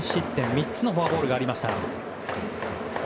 ３つのフォアボールがありました。